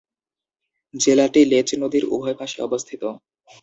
জেলাটি লেচ নদীর উভয় পাশে অবস্থিত।